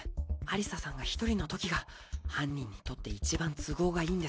アリサさんが一人のときが犯人にとって一番都合がいいんですよ。